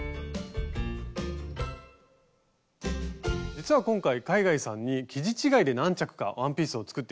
実は今回海外さんに生地違いで何着かワンピースを作って頂きました。